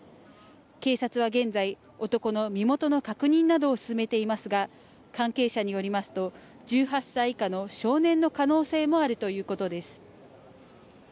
警察は現在、男の身元の確認などを進めていますが関係者によりますと１８歳以下の少年の可能性もあるということです。